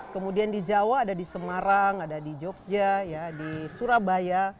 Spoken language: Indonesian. kemudian di jawa ada di semarang ada di jogja di surabaya